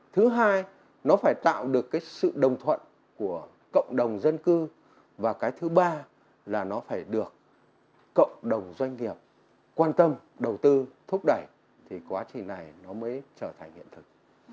thứ hai nó phải tạo được cái sự đồng thuận của cộng đồng dân cư và cái thứ ba là nó phải được cộng đồng doanh nghiệp quan tâm đầu tư thúc đẩy thì quá trình này nó mới trở thành hiện thực